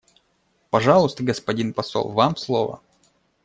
Пожалуйста, господин посол, вам слово.